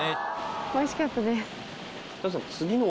おいしかったです。